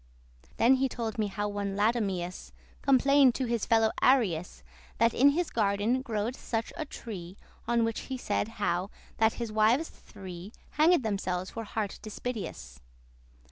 *always Then told he me how one Latumeus Complained to his fellow Arius That in his garden growed such a tree, On which he said how that his wives three Hanged themselves for heart dispiteous.